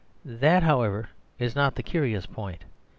That, however, is not the curious point.